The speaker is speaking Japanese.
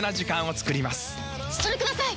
それください！